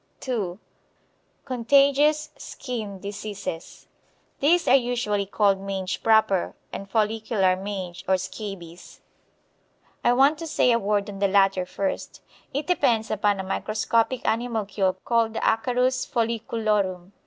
(2) Contagious Skin Diseases. These are usually called mange proper and follicular mange, or scabies. I want to say a word on the latter first. It depends upon a microscopic animalcule called the Acarus folliculorum.